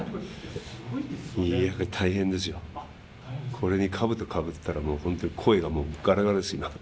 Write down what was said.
これに兜かぶったらもう本当に声がもうガラガラです今。